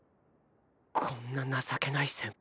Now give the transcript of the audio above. こんな情けない先輩